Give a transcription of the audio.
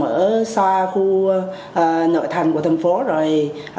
ở xa khu nội thành của thành phố rồi